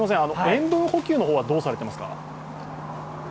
塩分補給はどうされていますか。